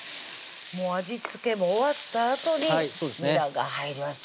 もう味付けも終わったあとににらが入ります